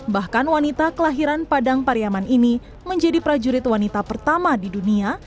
bahkan wanita kelahiran padang pariaman ini menjadi prajurit wanita pertama di dunia